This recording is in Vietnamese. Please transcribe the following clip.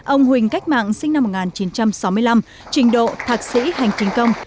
ông huỳnh cách mạng sinh năm một nghìn chín trăm sáu mươi năm trình độ thạc sĩ hành trình công